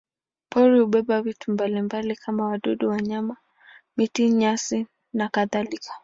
Pori hubeba vitu mbalimbali kama wadudu, wanyama, miti, nyasi nakadhalika.